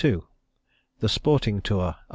II THE SPORTING TOUR OF MR.